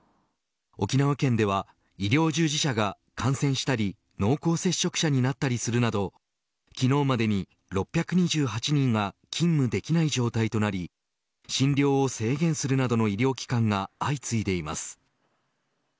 沖縄県では医療従事者が感染したり濃厚接触者になったりするなど昨日までに６２８人が勤務できない状態となり診療を制限するなどの医療機関が相次いでいます。